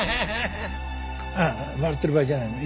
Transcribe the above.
ああ笑ってる場合じゃないの。